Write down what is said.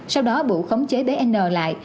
sau đó bủ khống chế bé n lại